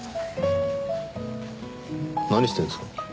何してるんですか？